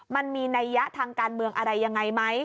มันมีนัยยะทางการเมืองอะไรยังไงไหม